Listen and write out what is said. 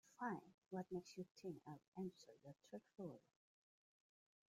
Fine, what makes you think I'd answer you truthfully?